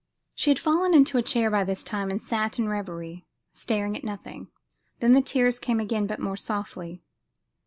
She had fallen into a chair by this time and sat in reverie, staring at nothing. Then the tears came again, but more softly.